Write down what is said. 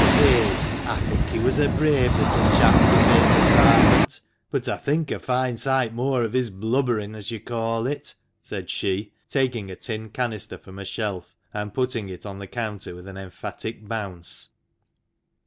" Eh ! I think he was a brave little chap to face a sarpent, but I think a fine sight more of his blubbering, as you call it," said she, taking a tin canister from a shelf, and putting it on the counter with an emphatic bounce.